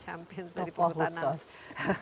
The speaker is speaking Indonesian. champion dari perhutanan sosial